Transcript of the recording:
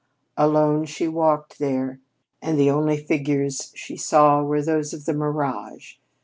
Alone she walked there, and the only figures she saw were those of the mirage.